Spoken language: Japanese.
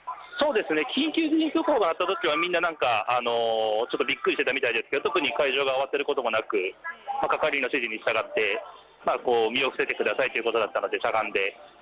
緊急地震速報があった時はみんなびっくりしてたみたいですが特に会場が慌てることもなく係員の指示に従って身を伏せてくださいということだったのでしゃがんで。